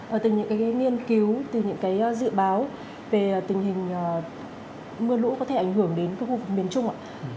ở từ những cái nghiên cứu từ những cái dự báo về tình hình mưa lũ có thể ảnh hưởng đến khu vực miền trung ạ